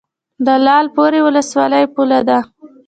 د لعل پورې ولسوالۍ پوله ده